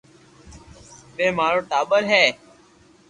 ٻي مارو ٽاٻر ھي